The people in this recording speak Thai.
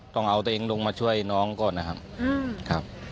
ต้องเอาตัวเองลงมาช่วยน้องก่อนนะครับ